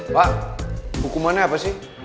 pak hukumannya apa sih